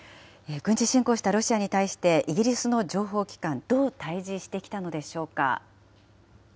軍事侵攻したロシアに対して、イギリスの情報機関、どう対じしてきたのでしょうか。